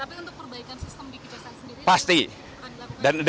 tapi untuk perbaikan sistem di kejaksaan sendiri